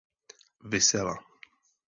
Visela.